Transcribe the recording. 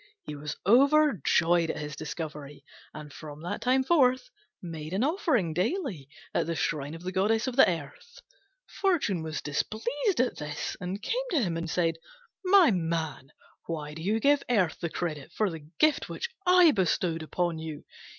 He was overjoyed at his discovery, and from that time forth made an offering daily at the shrine of the Goddess of the Earth. Fortune was displeased at this, and came to him and said, "My man, why do you give Earth the credit for the gift which I bestowed upon you?